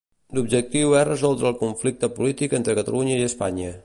L'objectiu és resoldre el conflicte polític entre Catalunya i Espanya.